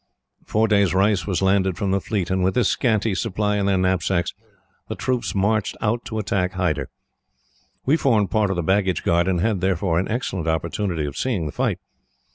Four days' rice was landed from the fleet, and with this scanty supply in their knapsacks, the troops marched out to attack Hyder. We formed part of the baggage guard and had, therefore, an excellent opportunity of seeing the fight.